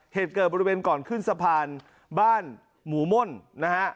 เหตุเกิดบริเวณก่อนขึ้นสะพานบ้านหมูม่นนะฮะ